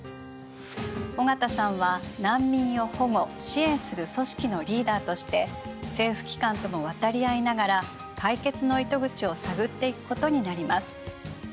緒方さんは難民を保護支援する組織のリーダーとして政府機関とも渡り合いながら解決の糸口を探っていくことになります。